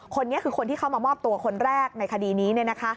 คนนี้คือคนที่เข้ามามอบตัวคนแรกในคดีนี้